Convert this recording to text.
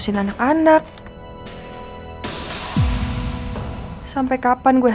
kayaknya kamarnya masih ada deh